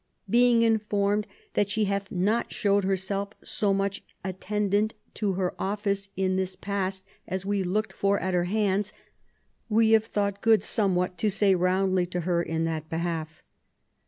Being informed that she hath not shewed herself so much attendant to her office in this past as we looked for at her hands, we have thought good somewhat to say roundly to her in that behalf.